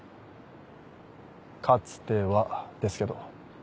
かつてはですけど。